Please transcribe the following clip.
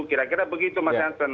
kira kira begitu mas jansen